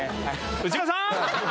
内村さん。